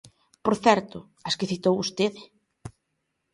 Por certo, as que citou vostede.